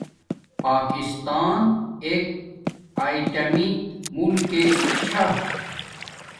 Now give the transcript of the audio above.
پاکستان ایک ایٹامی ملکک چھا